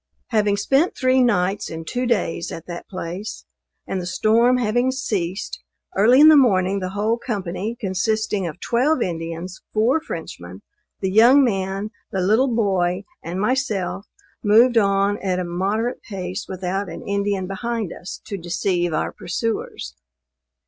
Having spent three nights and two days at that place, and the storm having ceased, early in the morning the whole company, consisting of twelve Indians, four Frenchmen, the young man, the little boy and myself, moved on at a moderate pace without an Indian behind us to deceive our pursuers.